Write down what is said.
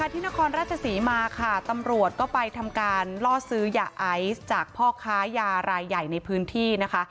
ที่นครราชศรีมาค่ะตำรวจก็ไปทำการล่อซื้อยาไอซ์จากพ่อค้ายารายใหญ่ในพื้นที่นะคะ